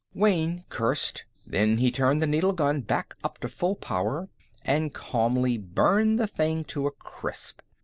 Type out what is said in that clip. Wayne cursed. Then he turned the needle gun back up to full power and calmly burned the thing to a crisp.